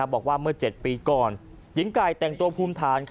บอกว่าเมื่อ๗ปีก่อนหญิงไก่แต่งตัวภูมิฐาน